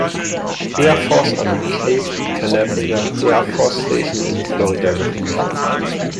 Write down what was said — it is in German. Air Force an die Cape Canaveral Air Force Station in Florida geliefert.